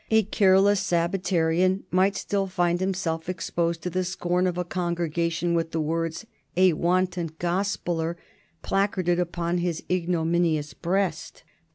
A careless Sabbatarian might still find himself exposed to the scorn of a congregation, with the words "A wanton gospeller" placarded upon his ignominious breast.